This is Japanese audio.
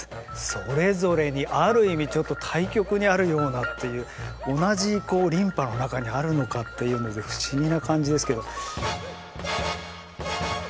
それぞれにある意味ちょっと対極にあるようなっていう同じ琳派の中にあるのかっていうので不思議な感じですけど。